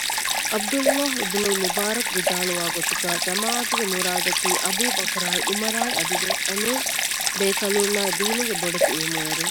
ޢަބްދުﷲ އިބްނުލްމުބާރަކު ވިދާޅުވާ ގޮތުގައި ޖަމާޢަތުގެ މުރާދަކީ އަބޫބަކްރާއި ޢުމަރާއި އަދިވެސް އެނޫން ބޭކަލުންނާއި ދީނުގެ ބޮޑެތި ޢިލްމުވެރިން